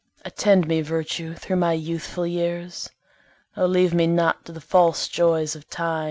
Attend me, Virtue, thro' my youthful years! O leave me not to the false joys of time!